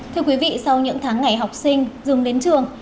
thưa quý vị sau những tháng ngày học sinh dừng đến trường